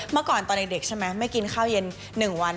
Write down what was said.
เมื่อก่อนตอนเด็กใช่ไหมไม่กินข้าวเย็น๑วัน